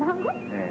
ええ。